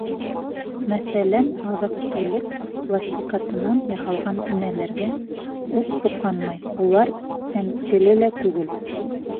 Мәҫәлән, аҙыҡ-түлек пластикатынан яһалған энәләргә ут тоҡанмай, улар сәнскеле лә түгел.